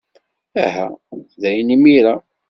Aha, dayen imir-a.